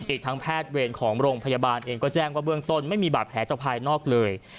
อีกทั้งแพทย์เวรของโรงพยาบาลเองก็แจ้งว่าเบื้องต้นไม่มีบาดแผลจากภายนอกเลย